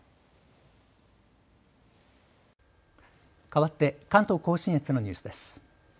かわって関東甲信越のニュースです。